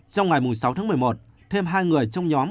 trong ngày sáu tháng một mươi một thêm hai người trong nhóm